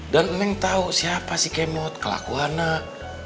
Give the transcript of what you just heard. dan neng tau siapa si kemut kelakuan nek